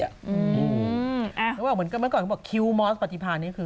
แล้วกับเหมือนกันไหนออกกยังบอกว่าคิวมอสปฎิพานนี้